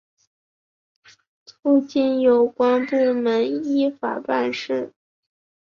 促进有关部门依法办事